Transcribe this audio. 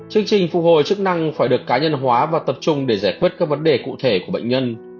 chương trình phục hồi chức năng phải được cá nhân hóa và tập trung để giải quyết các vấn đề cụ thể của bệnh nhân